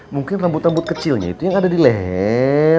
mungkin rambut rambut kecilnya itu yang ada di leher